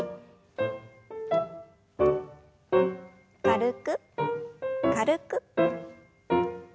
軽く軽く。